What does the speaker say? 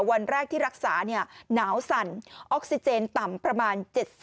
วันแรกที่รักษาหนาวสั่นออกซิเจนต่ำประมาณ๗๐